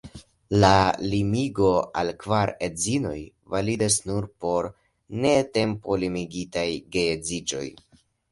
La limigo al kvar edzinoj validas nur por netempolimigitaj geedziĝoj.